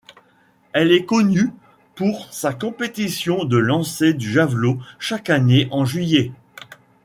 Elle est connue pour sa compétition de lancer du javelot chaque année en juillet.